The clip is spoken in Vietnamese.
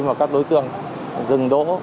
và các đối tượng dừng đỗ